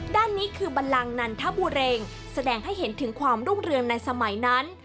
ด้านนี้คือบันลังนันทบุรีแสดงให้เห็นถึงความรุ่งเรืองในสมัยนั้น